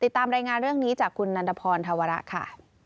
ตามรายงานเรื่องนี้จากคุณนันทพรธวระค่ะ